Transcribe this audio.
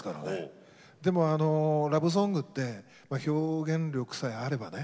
でもラブソングって表現力さえあればね